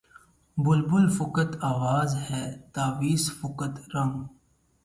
بلبل فقط آواز ہے طاؤس فقط رنگ